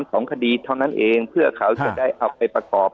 ของคดีเท่านั้นเองเพื่อเขาจะได้เอาไปประกอบ